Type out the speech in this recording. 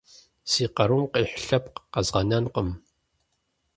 Си къарум къихь лъэпкъ къэзгъэнэнкъым!